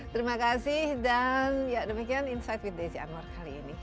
terima kasih dan ya demikian insight with desi anwar kali ini